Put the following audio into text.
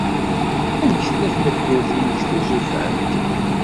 Amek tella tmeddurt-nnek tuzufant?